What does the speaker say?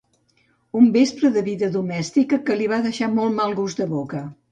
Un vespre de vida domèstica que li va deixar molt mal gust de boca.